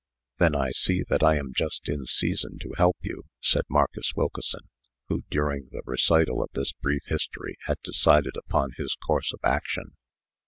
"Then I see that I am just in season to help you," said Marcus Wilkeson, who, during the recital of this brief history, had decided upon his course of action.